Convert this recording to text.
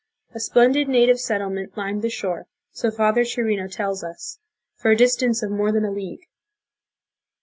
A splendid native settlement lined the shore, so Father Chirino tells us, for a distance of more than a league.